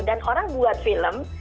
dan orang yang membuat film